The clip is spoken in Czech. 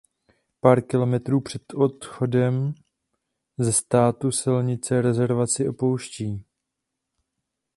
Pár kilometrů před odchodem ze státu silnice rezervaci opouští.